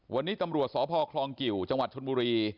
วันนี้ตำรวจสพคลองกิวจังหวัดชนบุรี